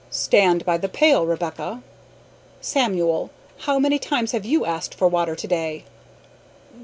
"Stand by the pail, Rebecca! Samuel, how many times have you asked for water to day?"